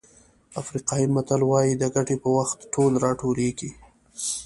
افریقایي متل وایي د ګټې په وخت ټول راټولېږي.